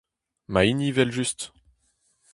Ma hini, 'vel just !